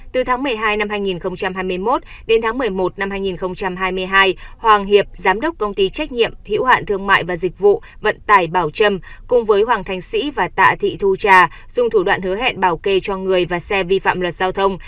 từ tháng một mươi hai năm hai nghìn hai mươi một đến tháng một mươi một năm hai nghìn hai mươi hai hoàng hiệp giám đốc công ty trách nhiệm hiểu hạn thương mại và dịch vụ vận tải bảo trâm cùng với hoàng thành sĩ và tạ thị thu trà dùng thủ đoạn hứa hẹn bảo kê cho người và xe vi phạm luật giao thông